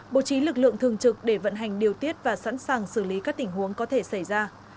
bố trí lực lượng thường trực để vận hành điều tiết và sẵn sàng xử lý các tình huống có thể xảy ra